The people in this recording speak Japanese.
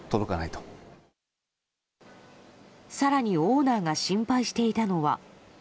さらにオーナーが心配していたのは。